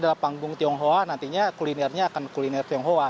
adalah panggung tionghoa nantinya kulinernya akan kuliner tionghoa